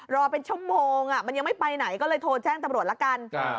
รอเป็นชั่วโมงมันยังไม่ไปไหนก็เลยโทรแจ้งตำรวจละกัน